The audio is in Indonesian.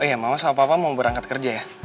oh iya mama sama papa mau berangkat kerja ya